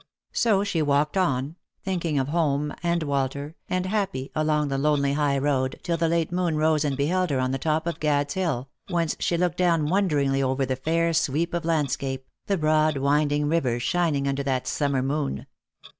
So she walked on, thinking of home and Walter, and happy, along the lonely high road, till the late moon rose and beheld her on the top of Gad's hill, whence she looked dowD wonderingly over the fair sweep of landscape, the broad winding river shining under that summer moon.